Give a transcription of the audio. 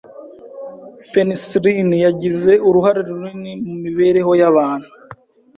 Penicillin yagize uruhare runini mu mibereho y’abantu.